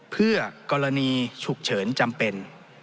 เพื่อกรณีฉุกเฉินจำเป็น